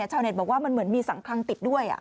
ชาวเน็ตบอกว่ามันเหมือนมีสังคลังติดด้วย